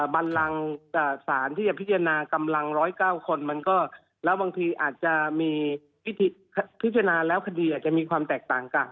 บันลังสารที่จะพิจารณากำลัง๑๐๙คนมันก็แล้วบางทีอาจจะมีพิจารณาแล้วคดีอาจจะมีความแตกต่างกัน